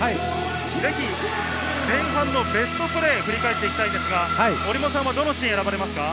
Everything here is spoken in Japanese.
前半のベストプレーも振り返っていきたいんですが、折茂さんは、どのシーンを選ばれますか？